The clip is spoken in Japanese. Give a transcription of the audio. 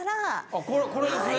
あこれですね。